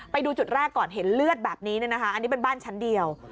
ไปดูจุดแรกก่อนเห็นเลือดแบบนี้เนี่ยนะคะอันนี้เป็นบ้านชั้นเดียว